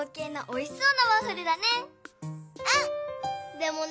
でもね